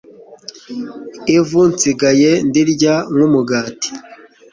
Ivu nsigaye ndirya nk’umugati